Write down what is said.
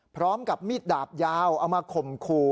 พร้อมกับมีดดาบยาวเอามาข่มขู่